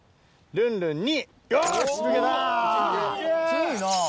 ルンルン２！